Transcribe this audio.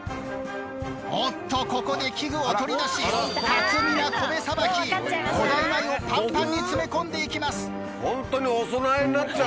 おっとここで器具を取り出し古代米をパンパンに詰め込んでいきます。